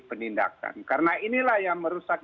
penindakan karena inilah yang merusak